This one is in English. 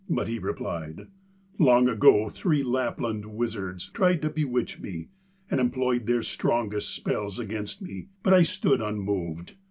But he replied: 'Long ago three Lapland wizards tried to bewitch me, and employed their strongest spells against me, but I stood unmoved.